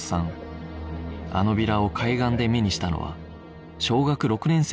あのビラを海岸で目にしたのは小学６年生の時でした